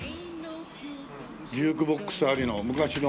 ジュークボックスありの昔の。